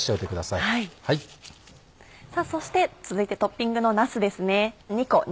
さぁそして続いてトッピングのなすですね。